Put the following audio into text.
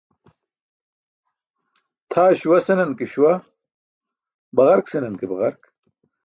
Tʰaa śuwa senan ke śuwa, baġark senan ke baġark.